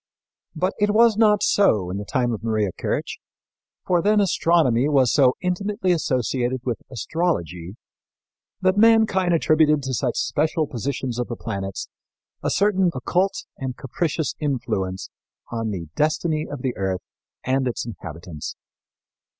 But it was not so in the time of Maria Kirch, for then astronomy was so intimately associated with astrology that mankind attributed to such special positions of the planets a certain occult and capricious influence on the destiny of the earth and its inhabitants.